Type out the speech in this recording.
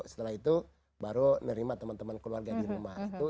setelah itu baru nerima teman teman keluarga di rumah